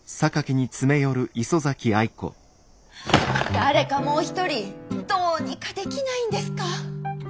誰かもう一人どうにかできないんですか？